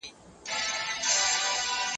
لوستې مور د ؛خوړو د پخلي پاک اصول مراعتوي.